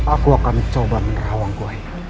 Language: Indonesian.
aku akan mencoba menerawangku